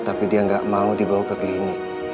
tapi dia nggak mau dibawa ke klinik